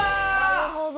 なるほど。